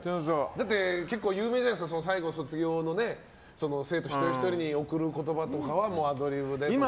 だって、結構有名じゃないですか最後、卒業の生徒一人ひとりに贈る言葉とかはアドリブでとか。